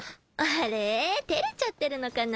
△譟繊照れちゃってるのかな？